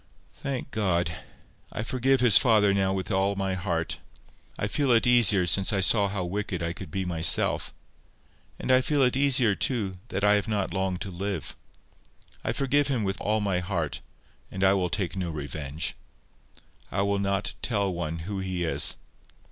"Thank God. I forgive his father now with all my heart. I feel it easier since I saw how wicked I could be myself. And I feel it easier, too, that I have not long to live. I forgive him with all my heart, and I will take no revenge. I will not tell one who he is.